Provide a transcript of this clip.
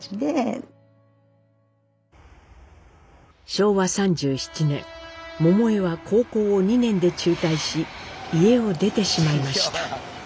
昭和３７年桃枝は高校を２年で中退し家を出てしまいました。